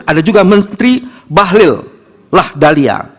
ada juga menteri bahlil lahdalia